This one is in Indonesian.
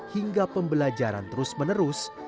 hingga pembelajaran terus menerus